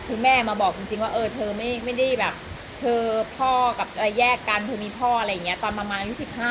คือแม่มาบอกจริงว่าเออเธอไม่ได้แบบเธอพ่อกับแยกกันเธอมีพ่ออะไรอย่างนี้ตอนประมาณอายุ๑๕